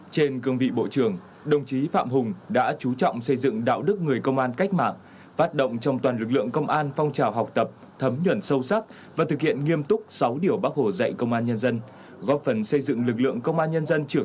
trên cương vị bộ trưởng đồng chí phạm hùng đã chú trọng xây dựng đạo đức người công an cách mạng phát động trong toàn lực lượng công an phong trào học tập thấm nhuận sâu sắc và thực hiện nghiêm túc sáu điều bác hồ dạy công an nhân dân